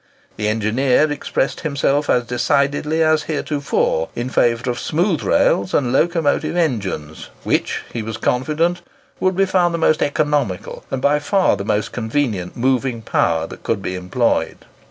The engineer expressed himself as decidedly as heretofore in favour of smooth rails and locomotive engines, which, he was confident, would be found the most economical and by far the most convenient moving power that could be employed.